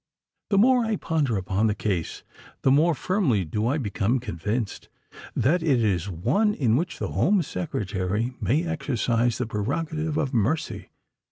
"The more I ponder upon the case, the more firmly do I become convinced that it is one in which the Home Secretary may exercise the prerogative of mercy.